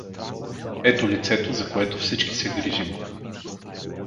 Ето лицето, за което всички се грижим.